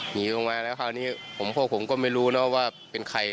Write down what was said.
หนีลงมาแล้วคราวนี้พวกผมก็ไม่รู้นะว่าเป็นใคร